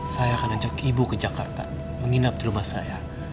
saya akan ajak ibu ke jakarta menginap di rumah saya